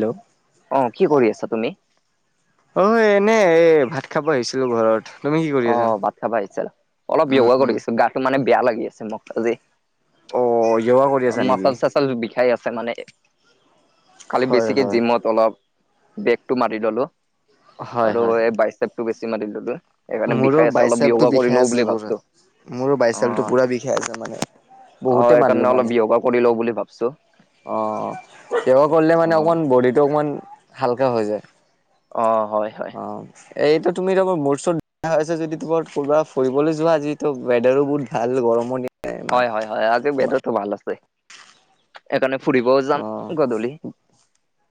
Hello অ কি কৰি আছা তুমি? অ এনে এই ভাত খাব আহিছিলো ঘৰত। তুমি কি কৰি অ আছা? ভাত খাবা আহিছা। অলপ উম, ইয়োগা উম। কৰিছো। গাটো মানে বেয়া লাগি আছে। মোক আজি অ' য়োগা কৰি আছা নেকি? মাচাল চাচাল বিষাই আছে মানে কালি হয়, বেছিকে হয়। জিমত অলপ। বেগটো মাৰি ললো হয়, আৰু হয়। এই বাইচেপটো বেছি মাৰি ললো। সেইকাৰণে মোৰো বিষাই আছে অলপ য়োগা বাইচেপটো কৰি বিষাই লও বুলি আছে পুৰা ভাবছো মোৰো অ বাইচেপটো পুৰা বিষাই আছে। মানে অ বহুতে মানুহ সেইকাৰণে অলপ ইয়োগা কৰি লও বুলি ভাবিছোঁ। অ ইয়োগা কৰিলে মানে অকণমান বডিটো অকণমান হালকা হৈ যায়। অ হয়, হয়। অহ এইটো তুমি তহ মোৰ চৰত আছ যদি তোমাৰ কৰবাত ফুৰিবলৈ যোৱা যিটো ৱেডাৰো বহুত ভাল গৰম দিন হয় হয় হয়। আজি ৱেডাৰটো ভাল আছে। সেইকাৰণে ফুৰিবও যাম অ', গধূলি।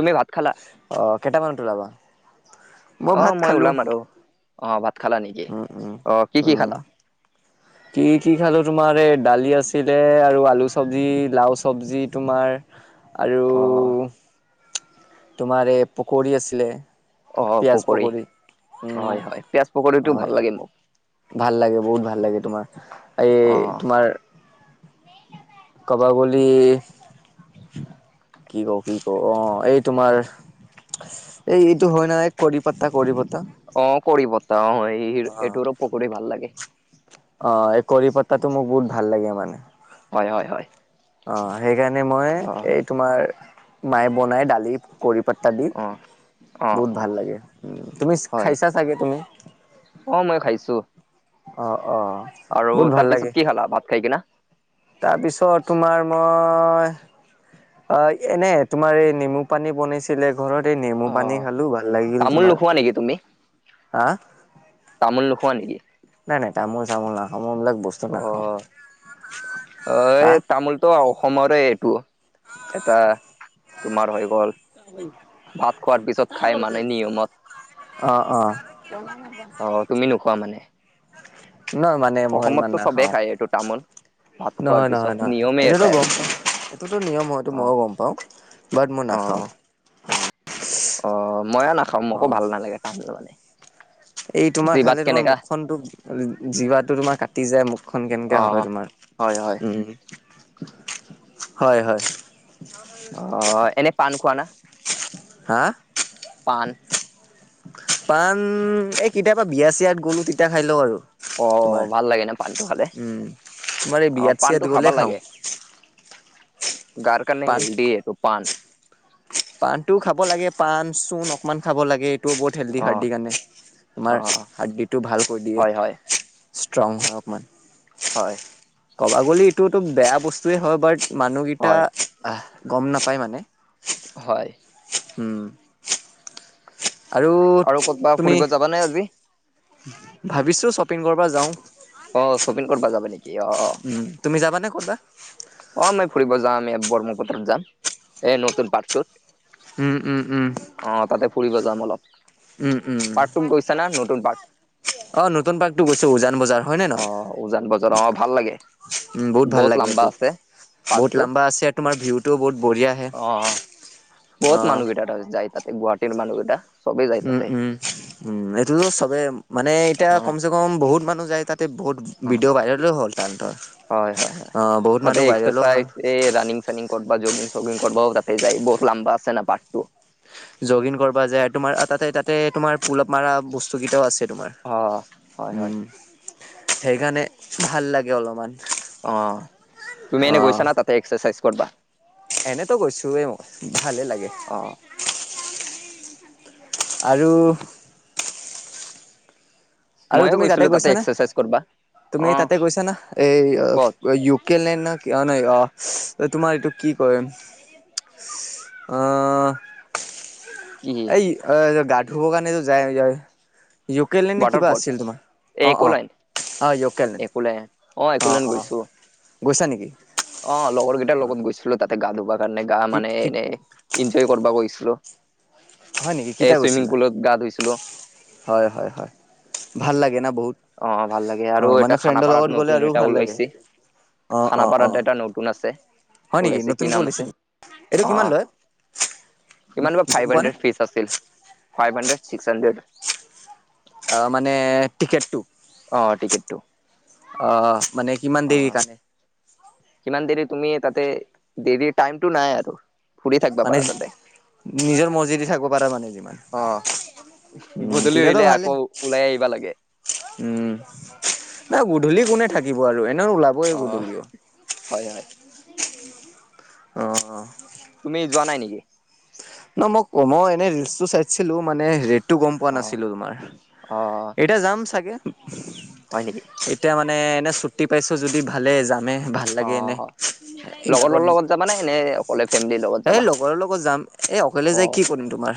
তুমি ভাত খালা? অ' কেইটামানত ওলাবা? অহ ভাত মই খালোঁ। ওলাম আৰু অ ভাত খালা নেকি? উম, উম, অ কি কি উম। খালা? কি কি খালোঁ তোমাৰ এই দালি আছিলে আৰু আলু চবজি লা‍উ চবজি তোমাৰ। আৰু অ অ তোমাৰ এই পকৰি আছিলে। অ পিয়াজ পকৰী পকৰি হয় উম হয় পিয়াজ পকৰীটো ভাল হয়। লাগে মোক ভাল লাগে বহুত ভাল লাগে। তোমাৰ এই অ তোমাৰ কাব গলে কি কবি ক, অ এই তোমাৰ এই এইটো হয় নে না কৰি পাতা কৰি পাতা অ কৰি পতা অ এইটো পকৰিও ভাল লাগে। অ'! এই, কাৰি পাতাটোক মোক বহুত ভাল লাগে মানে। হয়, হয়, হয়। অ'! সেইকাৰণে মই, অ এই তোমাৰ, মাই বনাই দালিত। কাৰি পাতা দি অ অ বহুত অ ভাল লাগে! উম, তুমি হয় খাইছা চাগে তুমি? অ'! মই খাইছোঁ। অ'! অ'! আৰু বহুত ভাল তাৰপিছত লাগে কি খালা? ভাত খাই কিনে? তাৰপিছত, তোমাৰ মই অ'! এনে, তোমাৰ এই নেমু পানী বনাইছে। আছিলে ঘৰতে, নেমু অ পানী খালোঁ ভাল লাগিল তামোল তোমাৰ? নোখোৱা নেকি তুমি হা! তামোল নোখোৱা নেকি? নাই, নাই। তামোল- চামোল নাখাওঁ, মই এইবিলাক বস্তু অ নাখাওঁ। অ'! এ, হা তামোলটো অসমৰে এইটো। এটা তোমাৰ হৈ গ'ল? ভাত খোৱাৰ পিছত খাই মানে, নিয়মত। অ'! অ'! অ তুমি নোখোৱা মানে নহয় মানে মানে, মই ইমান অসমততো চবেই নাখাওঁ। খায় এইটো তামোল। ভাত খোৱাৰ নহয়, নহয়, পিছত নহয়। নিয়মেই এইটোতো এটাই গম, এইটোতো নিয়ম হয়, এইটো অ মইয়ো গম পাওঁ। পাওঁ। বাত মই অ নাখাওঁ। অ'! মইয়ো নাখাওঁ। অ মোকো ভাল নালাগে তামোল মানে! এই তোমাৰ, জিভাত খালে তোমাৰ, কেনেকা মুখখন তো জিভাটো তোমাৰ কাটি যায়। মুখখন অ কেনেকাে হয় তোমাৰ? হয়, হয়। উম, হয়, হয়। অ'! এনে পাণ খোৱা না? হা! পাণ। পাণ, এ, কেতিয়াবা বিয়া- চিয়াত গ'লো, তেতিয়া খাই লওঁ আৰু। তোমাৰ। অ'! ভাল লাগে ন' পাণটো খালে! উম, তোমাৰ এই অ' বিয়াত চিয়াত পাণটো খাব গ'লে খাওঁ লাগে। গাৰ কাৰনে হেল্ডী এইটো পাণ। পাণটো খাব লাগে। পাণ- চূণ অকমান খাব লাগে। এইটো বহু হেল্ডি অ হাৰ্ডীৰ কাৰণে। অ তোমাৰ, হাৰ্ডিটো ভাল কৰি দিয়ে। হয় হয় ষ্ট্ৰং হয় অকমান। হয় ক'বা গ'লে, এইটোতো বেয়া বস্তুৱেই হয়। বাত মানুহকেইটা হয় গম নাপায় মানে। হয়। উম! আৰু তুমি [unintelligible] ভাবিছোঁ শ্বপিং কৰিব যাওঁ। অ'! শ্বপিং কৰিব যাবি নেকি? অ'! অ'! উম, তুমি যাবানে ক'ৰবাত? অ'! মই ফুৰিব যাম, ব্ৰহ্মপুত্ৰত যাম। এই, নতুন পৰ্কটোত। উম! উম! উম! অ'! তাতে ফুৰিব যাম অলপ। উম, উম। উম। পাৰ্কটোত গৈছা না? নতুন পাৰ্ক অ'! নতুন পাৰ্কটো গৈছোঁ, উজান বজাৰ। হয়নে অ নহয়? উজান বজাৰ অ ভাল লাগে উম, বহুত ভাল লাগে লাম্বা এইটো! আছে পাৰ্কটো বহুত লম্বা আছে। তোমাৰ, ভিউটোও বহুত বঢ়িয়া আহে! অ অ বহুত মানুহকেইটা তাতে যায়। তাতে, গুৱাহাটীৰ মানুহকেইটা। চবেই যায় উম, তাতে। উম, উম! এইটোতো চবে মানে, এতিয়া কমচে [unintelligible] বহুত মানুহ যায় তাতে। বহুত ভিডিঅ' ভাইৰেলো হ'ল তাহাঁতৰ। হয় হয় হয়, অ বহুত তাতে মানুহ ভাইৰেলো হ'ল এক্সাৰচাইজ- এই ৰানিং চানিং কৰবা জগিং চগিং কৰা ততে যায় বহুত লমাম্বা আছে ন বাতটো। যোগিং কৰিব যায় আৰু তোমাৰ তাতে, তাতে তোমাৰ, পুল- আপ মাৰা বস্তুকেইটাও আছে তোমাৰ। অ হয় হয় উম! সেইকাৰণে, ভাল লাগে অলপমান। অঁ, তুমি অ এনে গৈছা না তাতে এক্সা চাইজ কৰবা। এনেতো গৈছোৱে, মই ভালে লাগে। অহ আৰু আৰু ময়ো তুমি গৈছিলো তাতে গৈছানে এক্সাৰচাইজ কৰবা। অ তুমি তাতে গৈছা না এই ক'ত ইউক- কেলে ন অ নাই অ তোমাৰ এইটো কি ক‌য়? অঁ- কি এই গা ধুবৰ কাৰণে যায়- য়'কে লেন নে কিবা ৱাটাৰফল আছিল তোমাৰ এই অঁ অঁ একোলেণ্ড অঁ য়'কলেন- একোলেণ্ড অ অঁ একোলেণ্ড অঁ গৈছো। গৈছা নেকি? অ লগৰ কেইটাৰ লগত গৈছিলো তাতে গা ধুবা কাৰণে গা কি মানে কি এনেই- ইনজয় কৰিব গৈছিলো হয় নেকি এ কেতিয়া ছুইমিং গৈছিলা পুলত গা ধুইছিলো। হয় হয় হয়, ভাল লাগে না বহুত। অঁ ভাল লাগে অ আৰু মানে এটা ফ্ৰেণ্ডৰ লগত খানাপাৰাত গ'লে নতুন আৰু এটা ভাল লাগে ওলাইছে। অ অ অ খানাপাৰাত এটা নতুন আছে। হয় নেকি ওলাইছে কি নতুনকে নাম ওলাইছে আছে নেকি এইটো কিমান আহঁ। লয় ইমান বা ফাইভ গম পোৱা নে হান্ড্রেড ফিচ আছিল, ফাইভ হান্ড্রেড ছিক্স হান্ড্রেড। অঁ মানে টিকেটটো- অ টিকেটটো আহ মানে কিমান অ দেৰি কাৰণে- কিমান দেৰি তুমি তাতে দেৰি টাইমটো নাই আৰু। ফুৰি থাকিবা মানে পাৰা তাতে নিজৰ মজিদি থাকিব পাৰা মানে যিমান। অ উম গধূলি তেতিয়াতো হলে আকৌ ভালেই, ওলাই আহিবা লাগে উম। না অ গধূলি কোনে থাকিব আৰু এনেও ওলাব। অ হয় হয়। অঁ তুমি যোৱা নাই নেকি? ন মই কমই এনেই ৰিলচটো চাইছিলো মানে ৰেটটো গম পোৱা অ নাছিলো তোমাৰ অ এতিয়া যাম চাগে। হয় নেকি? এতিয়া মানে এনে ছু্টি পাইছো যদি ভালে যামে। ভাল অ লাগে এনে, এইবিলাকত লগৰৰ লগত যাবা নে এনে অকলে ফেমিলিৰ লগত এই যাবা লগৰৰ লগত যাম এই- অকলে অ যাই কি কৰিম, তোমাৰ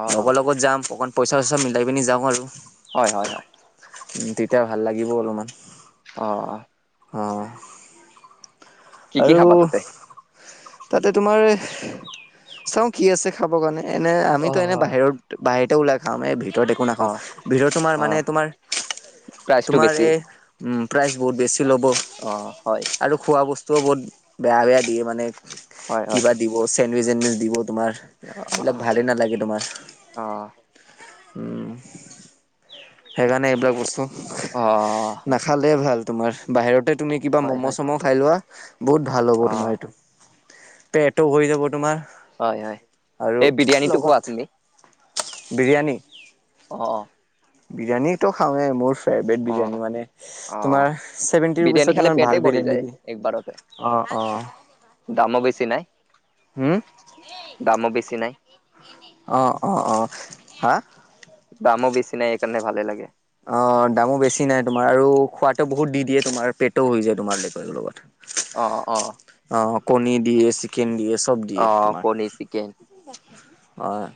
অ লগৰ লগত যাম অকণ পইচা চইচা মিলাই পিনি যাওঁ আৰু। হয় হয় হয়। উম তেতিয়া ভাল লাগিব অলপমান। অ অঁ কি কি খাবা তাতে? তাতে তোমাৰ চাও কি আছে খাব কাৰণে, এনে অ আমিতো এনে বাহিৰৰ- বাহিৰতে ওলাগ- খাওঁ, ভিতৰত একো অ নাখাওঁ ভিতৰত তোমাৰ মানে হয় তোমাৰ প্ৰাইচটো তোমাৰ বেছি এই - উম, প্ৰাইচ বহুত বেছি ল'ব, অ হয় আৰু খোৱা বস্তুও বহুত বেয়া বেয়া দিয়ে মানে। হয় হয় কিবা দিব চেণ্ডউইচ চেণ্ডউইচ দিব তোমাৰ, অ অ এইবিলাক ভালেই নালাগে তোমাৰ। অ উম, সেইকাৰণে এইবিলাক বস্তু- অ নাখালে ভাল, তোমাৰ বাহিৰতে তুমি কিবা হয় ম'ম' হয় চম' খাই লোৱা। বহুত ভাল হ'ব অ তোমাৰ এইটো, পেটো ভৰি যাব তোমাৰ। হয় হয় আৰু এই বিৰিয়ানীটো লগত খোৱা তুমি? বিৰিয়ানী অ বিৰিয়ানীত' খাওঁৱে মোৰ- অ বিৰিয়ানী মানে অ তোমাৰ চেভেনটি বিৰিয়ানী ৰুপিচত খালে ইমান পেটে ভাল ভৰি বিৰিয়ানী যায় দিয়ে। একবাৰতে অ অ দামো বেছি নাই। হু দামো বেছি নাই অ অ অ হা দামো বেছি নাই এইকাৰণে ভালে লাগে। অ', দামো বেছি নাই তোমাৰ আৰু খোৱাটো বহুত দি দিয়ে তোমাৰ পেটও ভৰি যায় তোমাৰ লগত। [inaudible] অ' অ' অ', কণী দিয়ে চিকেন দিয়ে চব দিয়ে অ তোমাৰ, কণী চিকেন হয়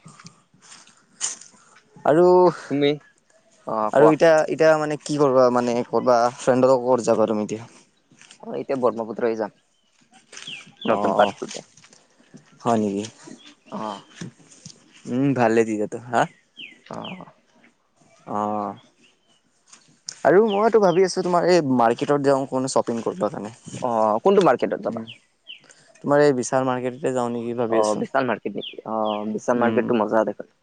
আৰু তুমি? অ আৰু কোৱা এতিয়া এতিয়া মানে কি কৰিবা মানে কৰবা ফ্ৰেণ্ড লগত ক'ত যাবা তুমি এতিয়া? এতিয়া ব্ৰহ্মপুত্ৰই যাম। নতুন অ', পাৰ্কটোতে হয় নেকি? অ উম ভালে দিছা তো হা অ', অ', আৰু মইতো ভাবি আছোঁ তোমাৰ এই মাৰ্কেটত যাওঁ কোনো শ্বপিং কৰিব কাৰণে। অ', কোনটো মাৰ্কেটত যাবা? তোমাৰ এই বিশাল মাৰ্কেটতে যাও নেকি? ভাবি অ', আছো। বিশাল মাৰ্কেট নেকি অ' বিশাল মাৰ্কেট টো মজা দেখোন।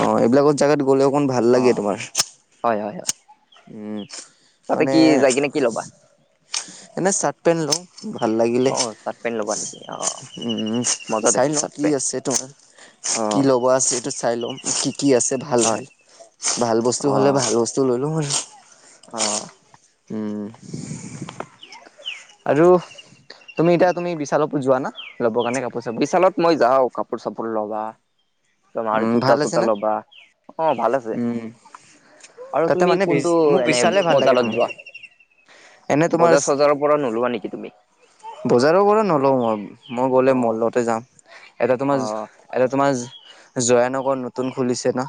অ' এইবিলাকৰ জাগাত গ'লেও অকণ ভাল অ লাগে তোমাৰ। হয় হয় হয় উম তাতে মানে, কি যাই কিনে কি ল'বা এনে চাৰ্ট পেন্ট লওঁ ভাল লাগিলে, অ চাৰ্ট পেণ্ট ল'বা নেকি অ উম মজা চাই দেখোন লও চাৰ্ট কি পেণ্ট আছে তোমাৰ অ কি ল'ব আছে, চাই লম কি কি আছে ভাল হয় ভাল ভাল অ বস্তু হ'লে ভাল বস্তু লৈ লও আৰু অ', উম আৰু তুমি এতিয়া তুমি বিশালত যোৱা না লবৰ কাৰণে কাপ বিশালত মই যাওঁ কাপোৰ চাপোৰ লবা তোমাৰ উম কূৰ্তা ভাল আছে চূৰ্তা না লবা অ' ভাল আছে, উম আৰু তাতে তুমি মানে কোনটো মোক এনে বিশালে ভাল লাগে বজাৰত তোমাৰ যোৱা‌? এনে তোমাৰ পৰা নোলোৱা নেকি তুমি? বজাৰৰ পৰা নলওঁ মই মই গ'লে অ মলতে যাম এটা অ তোমাৰ এটা তোমাৰ জয়ানগৰ নতুন খুলিছে ন‌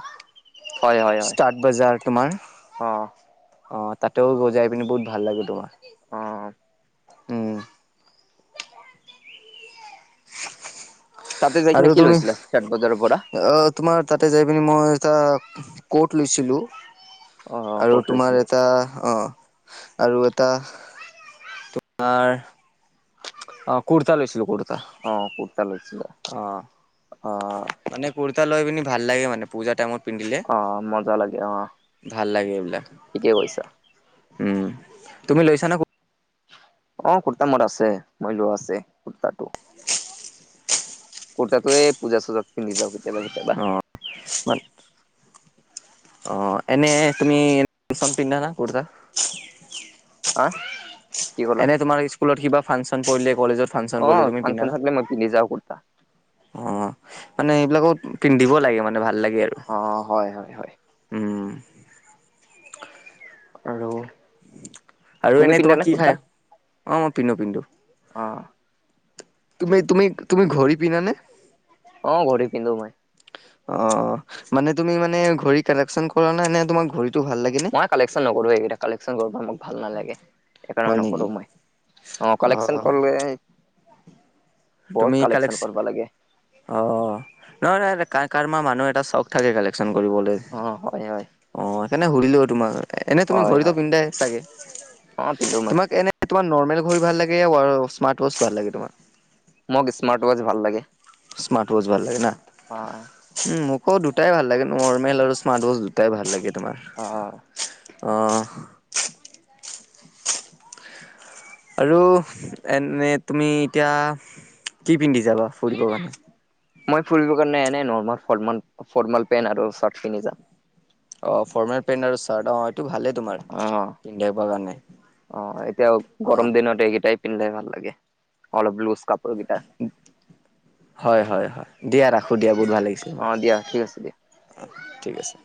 হয় হয় হয় ষ্টাৰ্ট, বজাৰ তোমাৰ অ' তাতেও জাই পিনি বহুত ভাল লাগে তোমাৰ অ', উম তাতে যাই আৰু কিনি কি তুমি লৈছিলা ষ্টেট বজাৰৰ পৰা? অ তোমাৰ তাতে যাই পিনি মই এটা ক'ট লৈছিলোঁ, অ আৰু ক'ত তোমাৰ লৈছিলা এটা অ' আৰু এটা, তোমাৰ অ কুৰ্তা লৈছিলো কুৰ অ কুুৰ্তা লৈছিলে, অ' মানে কুৰ্তা লৈ পিনি ভাল লাগে মানে পূজা টাইমত। পিন্ধিলে অ মজা লাগে অ ভাল লাগে এইবিলাক। ঠিকে কৈছা উম তুমি লৈছা ন অ', কুৰ্তা মোৰ আছে মই লোৱা আছে কুুৰ্তাটো। কুৰ্তাটো এ পূজা চুজাত পিন্ধি যাওঁ কেতিয়াবা কেতিয়াবা। [unintelligible] অ', এনেই তুমি এ ফেচন পিন্ধা নে কুৰ্তা। [unintelligible] এনে তোমাৰ স্কুলত কিবা ফাংচন পৰিলে কলেজত ফাংচন অ পৰিলে তুমি পিন্ধা ফাংশন না? চাবলে মই পিন্ধি যাওঁ ৰ্কুতা। অ মানে এইবিলাকত পিন্ধিব লাগে মানে ভাল লাগে আৰু। অ হয় হয় হয়, উম' আৰু আৰু তুমি এনেই পিন্ধা তোমাক নে কি কুৰ্তা খাই, অ মই পিন্ধো পিন্ধো অহ' তুমি তুমি তুমি ঘড়ী পিন্ধানে? অ ঘড়ী পিন্ধো মই। অ' মানে তুমি মানে ঘড়ী কালেকশ্যন কৰা নে, নে তোমাৰ ঘড়ী মই কালেকশ্যন নকৰোঁ এইকেইটা কালেকশ্যন কৰিব মোক ভাল নালাগে, হয় সেইকাৰণে নেকি নকৰোঁ মই। অ কালেকশ্যন কৰলে তুমি কালেক কৰিব লাগে অ নাই কাৰ কাৰ মাৰ মানুহ এটা চখ থাকে কালেকশ্যন কৰিবলে, অ হয় হয়। অ সেইকাৰণে সুধিলোঁ তোমাক এনে, তুমি হয় ঘড়ীতো হয় পিন্ধাই চাগে অ পিন্ধো মই তোমাক এনে নে তোমাক নৰ্মেল ঘড়ী ভাল লাগে স্মাৰ্ট ৱাছ ভাল লাগে তোমাৰ? মোক স্মাৰ্ট ৱাচ ভাল লাগে। স্মাৰ্ট ৱাচ ভাল লাগে না। অহ। উম মোকো দুটাই ভাল লাগে, নৰ্মেল আৰু স্মাৰ্ট ৱাছ দুটাই ভাল লাগে তোমাৰ। অ অহ। আৰু এনেই তুমি এতিয়া কি পিন্ধি যাবা ফুৰিবৰ কাৰণে? মই ফুৰিব কাৰণে এনে নৰ্মেল ফৰ্মেল পেন্ট আৰু চাৰ্ট পিন্ধি যাম। অ ফৰ্মেল পেণ্ট আৰু চাৰ্ট, অহ' অহ' অ এতিয়া অ গৰম দিনত এই কেইটাই, পিন্ধলে ভাল লাগে অলপ লুছ কা হয় হয় হয় দিয়া ৰাখোঁ দিয়া বহুত ভাল লাগিছিলে তোমাক, অ দিয়া ঠিক আছে দিয়া অ ঠিক আছে।